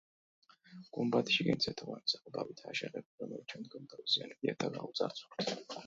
გუმბათი შიგნით ზეთოვანი საღებავითაა შეღებილი, რომელიც შემდგომ დაუზიანებიათ და გაუძარცვავთ.